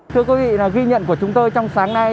thưa quý vị ghi nhận của chúng tôi trong sáng nay